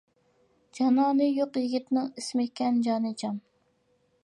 جانانى يۇق يىگىتنىڭ، ئىسمى ئىكەن جانىجان.